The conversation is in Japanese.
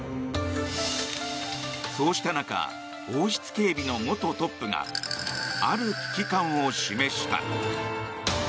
そうした中王室警備の元トップがある危機感を示した。